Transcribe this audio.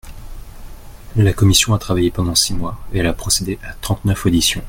La commission a travaillé pendant six mois, et elle a procédé à trente-neuf auditions.